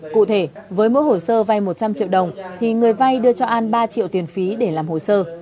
cụ thể với mỗi hồ sơ vay một trăm linh triệu đồng thì người vay đưa cho an ba triệu tiền phí để làm hồ sơ